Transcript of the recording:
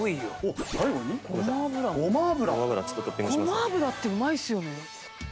ごま油ってうまいですよね。